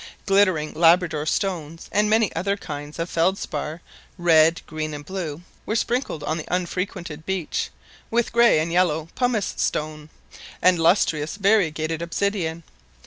Glittering Labrador stones, and many other kinds of felspar, red, green, and blue, were sprinkled on the unfrequented beach, with grey and yellow pummice stone, and lustrous variegated obsidian.